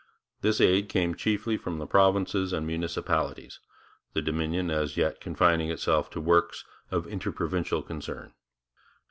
This aid came chiefly from the provinces and municipalities, the Dominion as yet confining itself to works of inter provincial concern.